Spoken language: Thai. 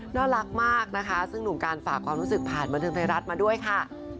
น่ารักมากนะคะซึ่งหนุ่มการฝากความรู้สึกผ่านบันเทิงไทยรัฐมาด้วยค่ะ